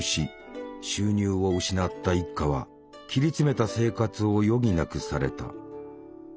収入を失った一家は切り詰めた生活を余儀なくされた。